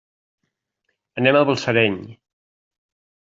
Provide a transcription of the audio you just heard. Anem a Balsareny.